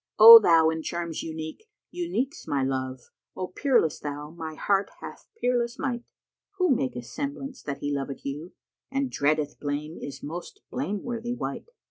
O thou in charms unique, unique's my love; * O peerless thou, my heart hath peerless might! Who maketh semblance that he loveth you * And dreadeth blame is most blame worthy wight."